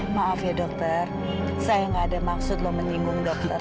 maaf ya dokter saya gak ada maksud loh menyinggung dokter